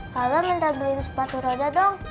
kalau minta beliin sepatu roda dong